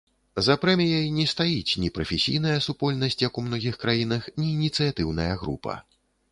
За прэміяй не стаіць ні прафесійная супольнасць, як у многіх краінах, ні ініцыятыўная група.